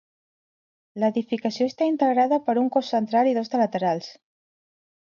L'edificació està integrada per un cos central i dos de laterals.